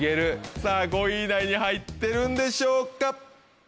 さぁ５位以内に入ってるんでしょうか？